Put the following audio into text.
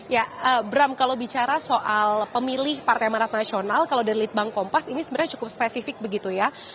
ya bram kalau bicara soal pemilih partai manat nasional kalau dari litbang kompas ini sebenarnya cukup spesifik begitu ya